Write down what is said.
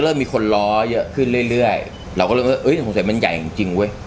เริ่มมีคนล้อเยอะขึ้นเรื่อยเราก็เริ่มมันใหญ่จริงเว้ย